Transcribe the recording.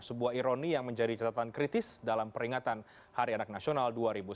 sebuah ironi yang menjadi catatan kritis dalam peringatan hari anak nasional dua ribu sembilan belas